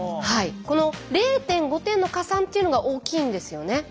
この０．５点の加算というのが大きいんですよね。